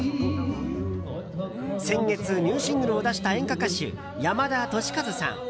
先月ニューシングルを出した演歌歌手・山田壽一さん。